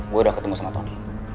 gue udah ketemu sama tony